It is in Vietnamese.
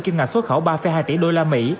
kim ngạch xuất khẩu ba hai tỷ đô la mỹ